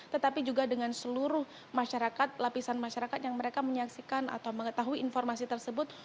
tetapi juga dengan seluruh masyarakat lapisan masyarakat yang mereka menyaksikan atau mengetahui informasi tersebut